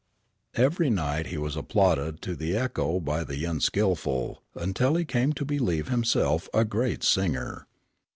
Every night he was applauded to the echo by "the unskilful," until he came to believe himself a great singer.